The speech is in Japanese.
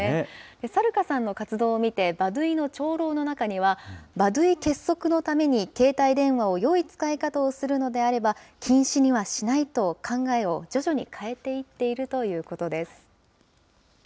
サルカさんの活動を見て、バドゥイの長老の中には、バドゥイ結束のために携帯電話をよい使い方をするのであれば、禁止にはしないと、考えを徐々に変えていっているということです。